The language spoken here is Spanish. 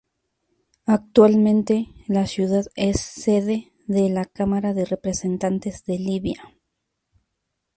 Actualmente, la ciudad es sede de la Cámara de Representantes de Libia.